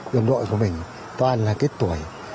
đồng đội của mình toàn là cái tuổi